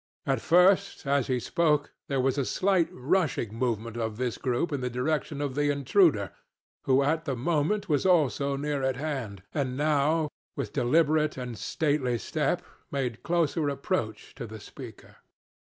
At first, as he spoke, there was a slight rushing movement of this group in the direction of the intruder, who at the moment was also near at hand, and now, with deliberate and stately step, made closer approach to the speaker.